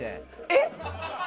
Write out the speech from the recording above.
えっ？